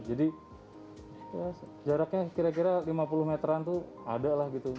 jadi jaraknya kira kira lima puluh meteran tuh ada lah gitu